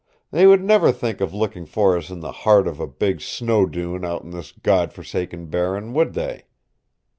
They would never think of looking for us in the heart of a big snow dune out in this God forsaken barren, would they?"